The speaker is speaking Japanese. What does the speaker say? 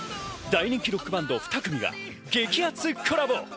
大人気ロックバンド２組が激アツコラボ。